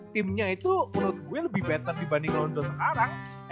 timnya itu menurut gue lebih better dibanding london sekarang